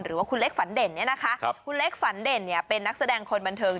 หรือว่าคุณเล็กฝันเด่นคุณเล็กฝันเด่นเป็นนักแสดงคนบันเทิง